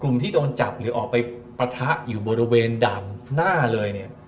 ที่โดนจับหรือออกไปปะทะอยู่บริเวณด่านหน้าเลยเนี่ย